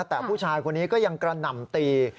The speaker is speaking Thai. แต่ผู้ชายคนนี้ก็ยังกระหน่ำตี